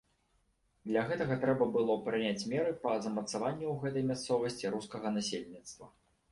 Для гэтага трэба было прыняць меры па замацаванню ў гэтай мясцовасці рускага насельніцтва.